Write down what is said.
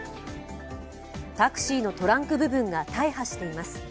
タクシーのトランク部分が大破しています。